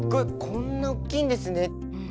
こんなおっきいんですね。